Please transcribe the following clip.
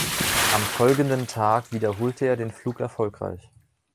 Am folgenden Tag wiederholte er den Flug erfolgreich.